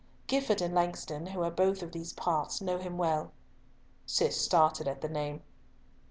Gifford and Langston, who are both of these parts, know him well." Cis started at the name.